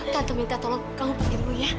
tante minta tolong kamu pergi dulu ya